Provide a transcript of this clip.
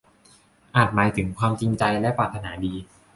อาจหมายถึงความจริงใจและปรารถนาดี